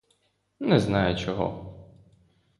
Не знає — чого.